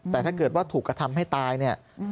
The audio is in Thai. แต่ถ้าเกิดว่าถูกกระทำให้ตายเนี่ย